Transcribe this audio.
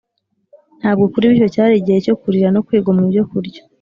ntabwo kuri bo icyo cyari igihe cyo kurira no kwigomwa ibyo kurya